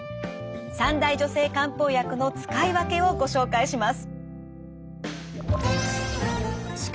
三大女性漢方薬の使い分けをご紹介します。